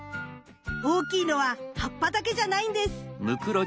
大きいのは葉っぱだけじゃないんです。